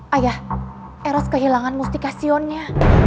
ayah eros kehilangan mustikasionnya